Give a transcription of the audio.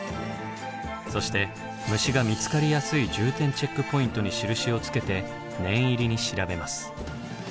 そして虫が見つかりやすい重点チェックポイントに印をつけて念入りに調べます。